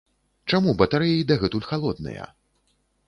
Чаму батарэі дагэтуль халодныя?